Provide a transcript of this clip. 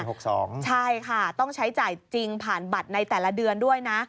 ใช่ค่ะต้องใช้จ่ายจริงผ่านบัตรในแต่ละเดือนด้วยนะ